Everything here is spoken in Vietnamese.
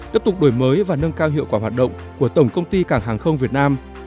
tiếp tục đổi mới và nâng cao hiệu quả hoạt động của tổng công ty cảng hàng không việt nam